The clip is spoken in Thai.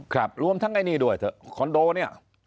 ครับรวมทั้งไอ้นี่ด้วยเถอะคอนโดเนี่ย